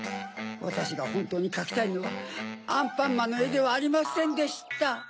わたしがほんとうにかきたいのはアンパンマンのえではありませんでした。